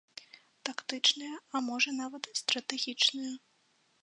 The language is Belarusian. Тактычныя, а можа нават стратэгічныя.